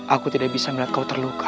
aku tidak bisa melihat kau terluka